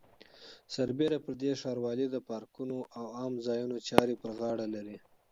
سربېره پر دې ښاروالۍ د پارکونو او عامه ځایونو چارې په غاړه لري.